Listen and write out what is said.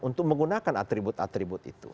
untuk menggunakan atribut atribut itu